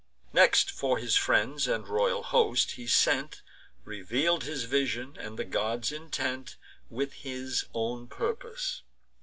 Next, for his friends and royal host he sent, Reveal'd his vision, and the gods' intent, With his own purpose.